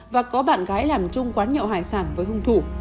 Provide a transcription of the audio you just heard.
và có bạn gái làm chung quán nhậu hải sản với hung thủ